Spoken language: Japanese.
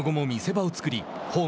その後も見せ場を作り